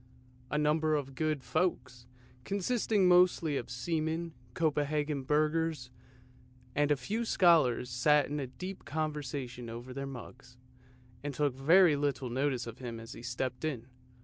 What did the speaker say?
A number of good folks, consisting mostly of seamen, Copenhagen burghers, and a few scholars, sat in deep conversation over their mugs, and took very little notice of him as he stepped in.